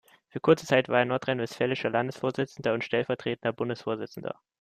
Für kurze Zeit war er nordrhein-westfälischer Landesvorsitzender und stellvertretender Bundesvorsitzender.